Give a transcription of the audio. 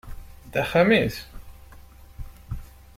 D axxam-is.